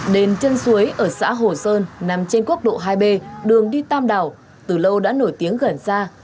đền chân suối ở xã hồ sơn nằm trên quốc lộ hai b đường đi tam đảo từ lâu đã nổi tiếng gần xa